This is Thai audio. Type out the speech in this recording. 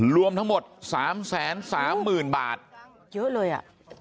รวมทั้งหมด๓๓๐๐๐บาทเยอะเลยอ่ะ